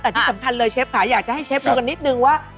แต่ที่สำคัญเลยเชฟค่ะอยากจะให้เชฟดูกันนิดนึงว่า